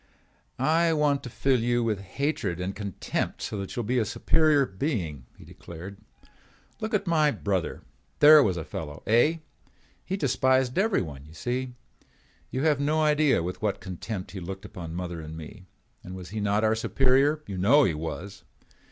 "I want to fill you with hatred and contempt so that you will be a superior being," he declared. "Look at my brother. There was a fellow, eh? He despised everyone, you see. You have no idea with what contempt he looked upon mother and me. And was he not our superior? You know he was.